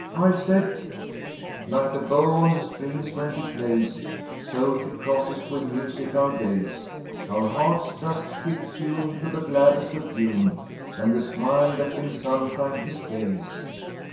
I said: "Like the bow on the strings when she plays, So she crosses with music our days. Our hearts doth she tune to the gladness of June, And the smile that brings sunshine is Gay's."